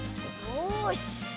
よし！